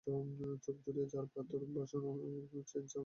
চোখ জুড়িয়ে যায় পাথর বসানো চেইন, চামড়া, প্লাস্টিকের তৈরি বেল্টগুলো দেখলে।